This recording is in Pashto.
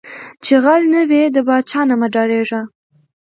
ـ چې غل نه وې د پاچاه نه مه ډارېږه.